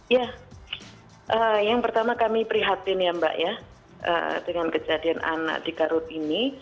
ya yang pertama kami prihatin ya mbak ya dengan kejadian anak di garut ini